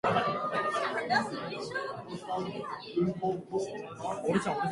一時的な怒りをいう。「一朝」はわずかな間。一時的の意。「忿」は、怒り、憤怒のこと。